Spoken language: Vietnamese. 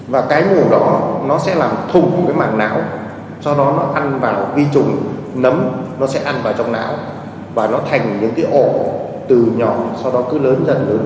và nó thành những cái ổ từ nhỏ sau đó cứ lớn dần lớn dần lên